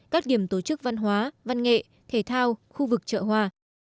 các điểm tổ chức văn hóa văn nghệ thể thao khu vực chợ hoa